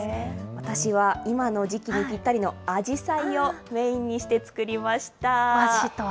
私は今の時期にぴったりのアジサイをメインにして作りました。